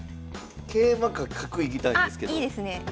桂馬か角いきたいんですけど。